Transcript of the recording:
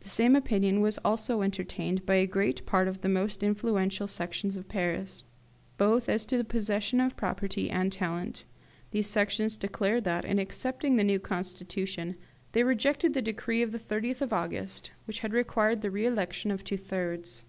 The same opinion was also entertained by a great part of the most influential Sections of Paris, both as to the possession of property and talent. These Sections declared that, in accepting the new constitution, they rejected the decree of the 30th of August, which required the re election of two thirds.